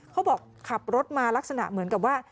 เขาบอกขับรถมาลักษณะเหมือนกับว่า